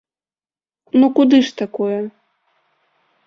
Ну куды ж такое?